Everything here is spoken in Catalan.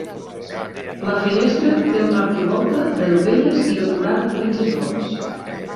La finestra té una arquivolta de dovelles i decorada amb mitges boles.